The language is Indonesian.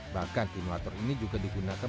bahkan simulator ini juga digunakan